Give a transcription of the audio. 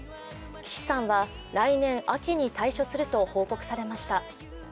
岸さんは来年秋に退所すると報告されました。